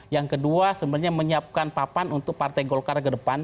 yang kedua sebenarnya menyiapkan papan untuk partai golkar ke depan